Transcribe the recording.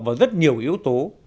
vào rất nhiều yếu tố